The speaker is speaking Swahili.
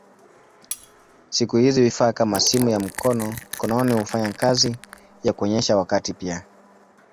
Siku hizi vifaa kama simu ya mkononi hufanya kazi ya kuonyesha wakati pia.